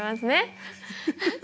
フフフ。